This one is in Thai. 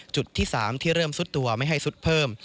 จุดที่๓ที่เริ่มซุดตัวไม่ให้ซุดเพิ่ม